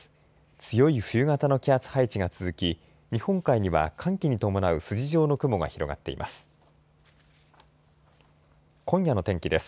強い冬型の気圧配置が続き日本海には寒気に伴う筋状の雲が広がっています。